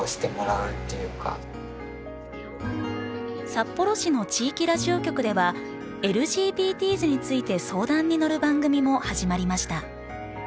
札幌市の地域ラジオ局ではＬＧＢＴｓについて相談に乗る番組も始まりました。